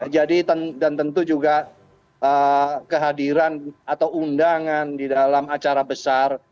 jadi dan tentu juga kehadiran atau undangan di dalam acara besar